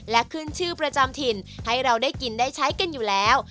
และขึ้นชื่อประจำถิ่นให้เราได้กินได้ใช้กันอยู่แล้ว